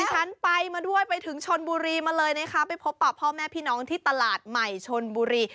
ฉันไปมาด้วยไปถึงชนบุรีมาเลยนะคะไปพบป่าพ่อแม่พี่น้องที่ตลาดใหม่ชนบุรี